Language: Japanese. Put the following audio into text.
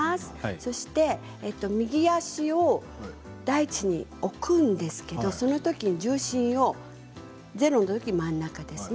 そして右足を大地に置くんですけどそのときに重心をゼロのときは真ん中ですね。